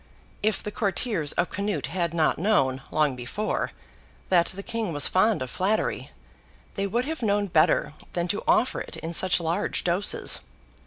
If the courtiers of Canute had not known, long before, that the King was fond of flattery, they would have known better than to offer it in such large doses.